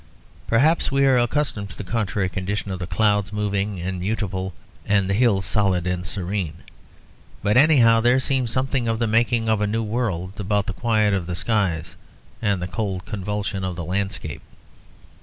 Perhaps we are accustomed to the contrary condition of the clouds moving and mutable and the hills solid and serene; but anyhow there seemed something of the making of a new world about the quiet of the skies and the cold convulsion of the landscape.